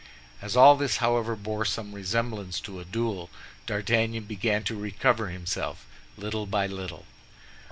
As all this, however, bore some resemblance to a duel, D'Artagnan began to recover himself little by little.